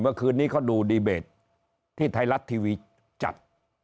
เมื่อคืนนี้เขาดูดีเบตที่ไทยรัฐทีวีจัด